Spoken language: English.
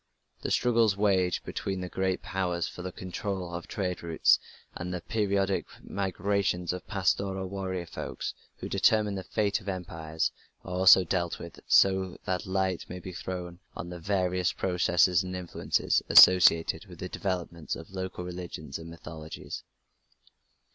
The struggles waged between the great Powers for the control of trade routes, and the periodic migrations of pastoral warrior folks who determined the fate of empires, are also dealt with, so that light may be thrown on the various processes and influences associated with the developments of local religions and mythologies.